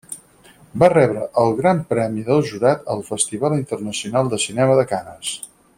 Va rebre el gran premi del jurat al Festival Internacional de Cinema de Canes.